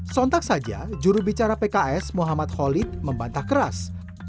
sontak saja jurubicara pks muhammad khalid membantah keras